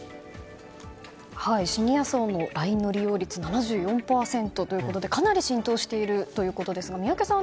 シニア層のＬＩＮＥの利用率７４％ということでかなり浸透していることですが宮家さん